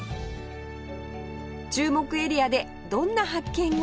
注目エリアでどんな発見が？